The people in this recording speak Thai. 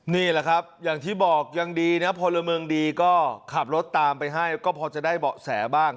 นี่แหละครับอย่างที่บอกยังดีนะพลเมืองดีก็ขับรถตามไปให้ก็พอจะได้เบาะแสบ้าง